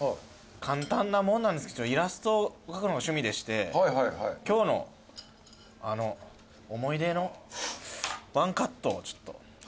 簡単なもんなんですけどイラストを描くのが趣味でして今日の思い出のワンカットをちょっとかかせていただいてます。